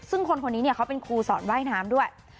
ซึ่งคนคนนี้เนี่ยเขาเป็นครูสอนว่ายน้ำด้วย